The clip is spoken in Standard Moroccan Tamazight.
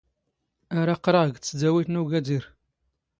ⴰⵔ ⴰⵇⵇⵔⴰⵖ ⴳ ⵜⵙⴷⴰⵡⵉⵜ ⵏ ⵓⴳⴰⴷⵉⵔ.